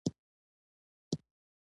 دریشي اغوستل ادب ته اشاره ده.